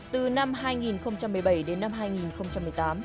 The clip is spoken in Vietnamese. từ năm hai nghìn một mươi bảy đến năm hai nghìn một mươi tám